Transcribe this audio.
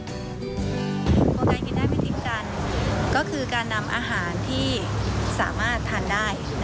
การกินได้ไม่ทิ้งกันก็คือการนำอาหารที่สามารถทานได้